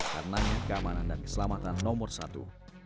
karenanya keamanan dan keselamatan nomor satu